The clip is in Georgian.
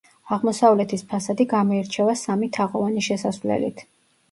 აღმოსავლეთის ფასადი გამოირჩევა სამი თაღოვანი შესასვლელით.